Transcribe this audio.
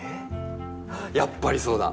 やっぱりそうだ。